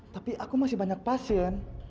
tapi aku masih banyak pasien